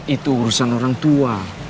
itu urusan orang tua